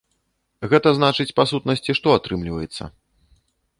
Гэта значыць, па сутнасці, што атрымліваецца?